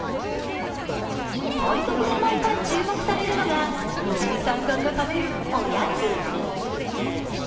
対局で毎回注目されるのが藤井三冠が食べるおやつ。